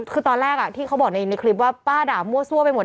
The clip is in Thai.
คือตอนแรกที่เขาบอกในคลิปว่าป้าด่ามั่วซั่วไปหมด